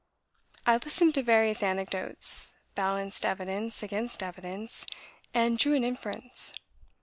I listened to various anecdotes, balanced evidence against evidence, and drew an inference.